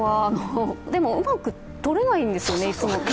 でも、うまく取れないんですよね、いつも。